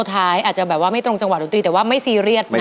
ท้ายอาจจะแบบว่าไม่ตรงจังหดนตรีแต่ว่าไม่ซีเรียสนะ